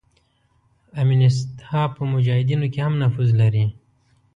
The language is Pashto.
امینست ها په مجاهدینو کې هم نفوذ لري.